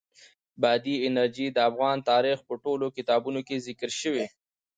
بادي انرژي د افغان تاریخ په ټولو کتابونو کې ذکر شوې.